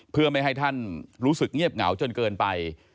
เพื่อไม่ให้ท่านรู้สึกเงียบเหงาจนเกินไป